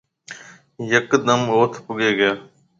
يڪدم اوٿ پُگيَ گيا۔